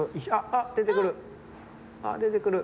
あっあっ出てくる。